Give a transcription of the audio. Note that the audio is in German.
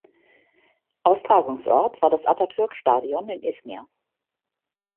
Austragungsort war das Atatürk-Stadion in Izmir.